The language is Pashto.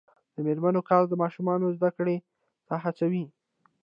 د میرمنو کار د ماشومانو زدکړې ته هڅوي.